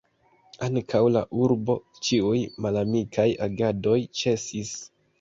Ankaŭ en la urbo, ĉiuj malamikaj agadoj ĉesis.